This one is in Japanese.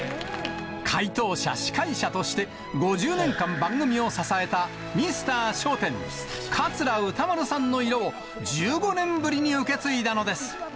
回答者、司会者として、５０年間、番組を支えたミスター笑点、桂歌丸さんの色を、１５年ぶりに受け継いだのです。